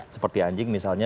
seperti anjing misalnya